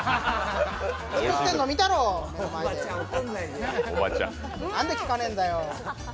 作ってるの見たろう、ここまで何で聞かねぇんだよ。